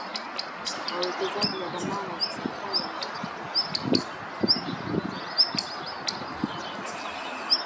wawekezaji wa dhamana za serikali wanapata faida kubwa